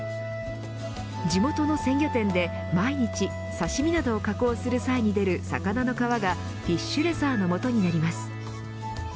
地元の鮮魚店で毎日刺し身など加工する際に出る魚の皮がフィッシュレザーの元になります。